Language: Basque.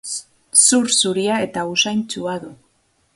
Zur zuria eta usaintsua du.